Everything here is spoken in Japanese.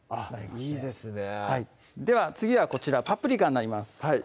はいでは次はこちらパプリカになります